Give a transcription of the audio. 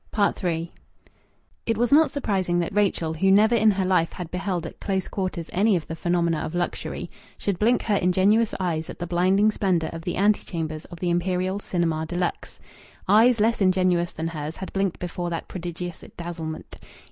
III It was not surprising that Rachel, who never in her life had beheld at close quarters any of the phenomena of luxury, should blink her ingenuous eyes at the blinding splendour of the antechambers of the Imperial Cinema de Luxe. Eyes less ingenuous than hers had blinked before that prodigious dazzlement.